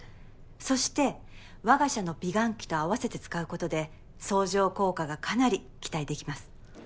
そして我が社の美顔器と合わせて使うことで相乗効果がかなり期待できます。